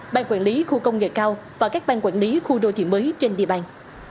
ban quản lý khu công nghệ cao và các bang quản lý khu đô thị mới trên địa bàn